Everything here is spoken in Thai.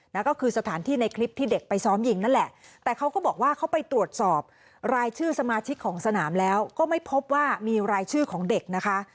นั่นก็คือสถานที่ในคลิปที่เด็กไปซ้อมยิงนั่นแหละแต่เขาก็บอกว่าเขาไปตรวจสอบรายชื่อสมาชิกของสนามแล้วก็ไม่พบว่ามีรายชื่อของเด็กนะคะ